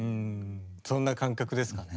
そんな感覚ですかね。